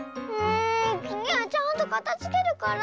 つぎはちゃんとかたづけるから。